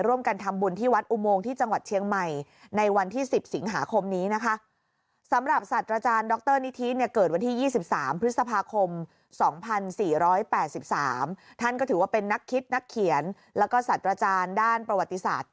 ร่วมกันทำบุญที่วทธิ์อุโมงที่จังหวัดเชียงใหม่